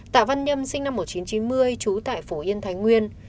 tạ văn nhâm sinh năm một nghìn chín trăm chín mươi chú tại phủ yên thái nguyên